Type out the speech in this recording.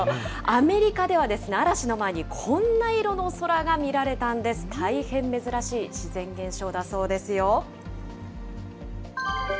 アメリカでは嵐の前にこんな色の空が見られたんです、大変珍しい自然現象だそうですよ。